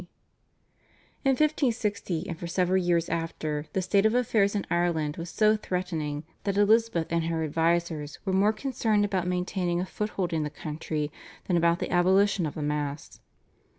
In 1560, and for several years after, the state of affairs in Ireland was so threatening that Elizabeth and her advisers were more concerned about maintaining a foothold in the country than about the abolition of the Mass.